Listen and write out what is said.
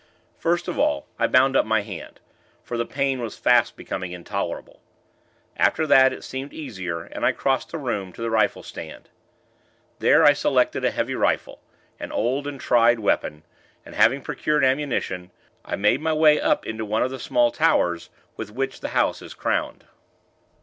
First of all, I bound up my hand; for the pain was fast becoming intolerable. After that, it seemed easier, and I crossed the room, to the rifle stand. There, I selected a heavy rifle an old and tried weapon; and, having procured ammunition, I made my way up into one of the small towers, with which the house is crowned.